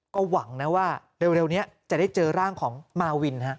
ก็หวังนะว่าเร็วนี้จะได้เจอร่างของมาวิน